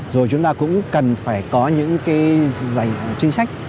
rồi chúng ta cũng cần phải có những cái chính sách